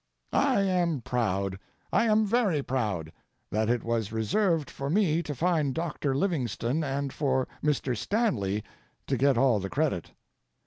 I am proud, I am very proud, that it was reserved for me to find Doctor Livingstone and for Mr. Stanley to get all the credit.